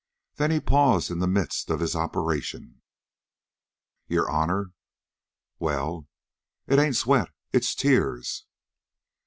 Then he paused in the midst of his operation. "Your honor." "Well?" "It ain't sweat. It's tears!"